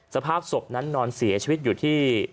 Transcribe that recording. สภาพศพนั้นนอนเสียชีวิตอยู่ที่